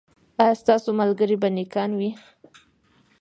ایا ستاسو ملګري به نیکان وي؟